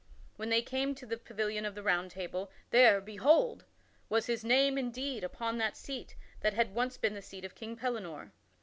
When they came to the pavilion of the Round Table, there, behold! was his name indeed upon that seat that had once been the seat of King Pellinore.